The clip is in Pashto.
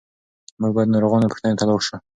موږ باید د ناروغانو پوښتنې ته لاړ شو.